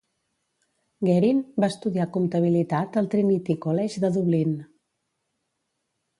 Guerin va estudiar comptabilitat al Trinity College de Dublín.